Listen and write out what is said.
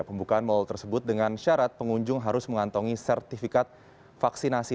pembukaan mal tersebut dengan syarat pengunjung harus mengantongi sertifikat vaksinasi